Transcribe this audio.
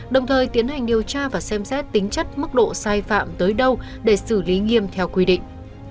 đồng thời tiến hành điều tra và xem xét tính chất mức độ sai phạm tới đâu để xử lý nghiêm theo quy định